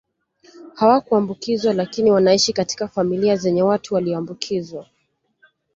Hawakuambukizwa lakini wanaishi katika familia zenye watu waliombukizwa